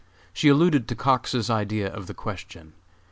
She alluded to Cox's idea of the question.